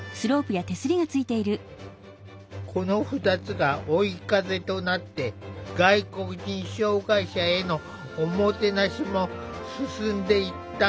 この２つが追い風となって外国人障害者への“おもてなし”も進んでいったのだ。